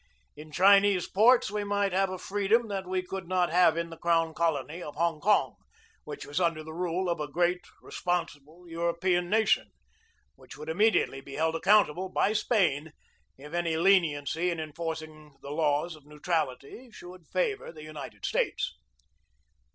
In Chinese ports we might have a freedom that we could not have in the crown colony of Hong Kong, which was under the rule of a great, responsible European nation, which would immediately be held accountable by Spain if any leniency in enforcing the laws of neu trality should favor the United States.